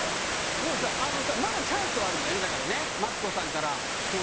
でもさまだチャンスはあるんだよねだからね。